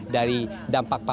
dari dampak penyelidikan